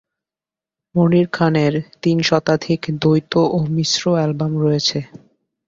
মনির খানের তিন শতাধিক দ্বৈত ও মিশ্র অ্যালবাম রয়েছে।